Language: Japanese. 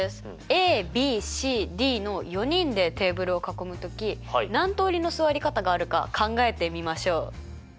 ＡＢＣＤの４人でテーブルを囲む時何通りの座り方があるか考えてみましょう。